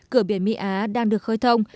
cửa biển mỹ á đang được khơi thông